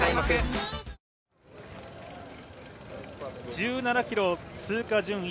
１７ｋｍ通過順位